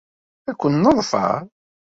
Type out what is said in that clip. Ad ken-neḍfer.